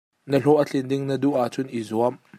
Na hlawh a tlin ding na duh ah cun i zuam.